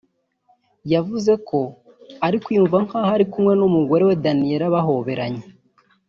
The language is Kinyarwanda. yavuze ko ari kwiyumva nk’aho ari kumwe n’umugore we Daniela bahoberanye